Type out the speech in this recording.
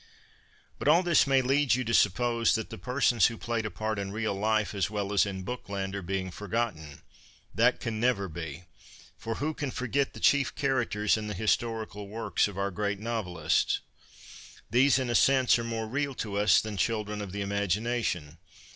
But all this may lead you to suppose that the persons who played a part in real life as well as in Bookland are being forgotten. That can never be. For who can forget the chief characters in the historical works of our great novelists ? These, in a sense, are more real to us than children of the imagination.